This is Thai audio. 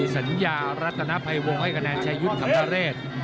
สัญญารัตนภัยวงให้คะแนนชายุทธ์ขำนเรศ